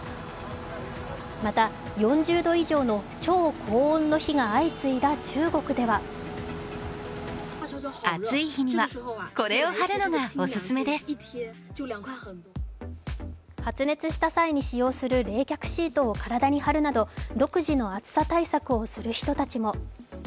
また、４０度以上の超高温の日が相次いだ中国では発熱した際に利用する冷却シートを体に貼るなど独自の暑さ対策をする人たちも。